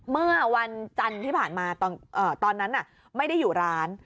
เมื่อวันจันทร์ที่ผ่านมาตอนนั้นไม่ได้อยู่ร้าน